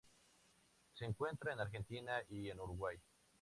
Se encuentra en Argentina y en Uruguay.